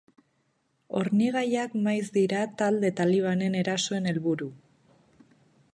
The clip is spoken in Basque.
Hornigaiak maiz dira talde talibanen erasoen helburu.